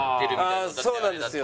ああそうなんですよ。